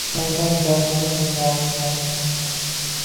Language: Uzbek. Nodon, johil, gumrohlar —